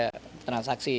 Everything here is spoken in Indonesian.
itu saya transaksi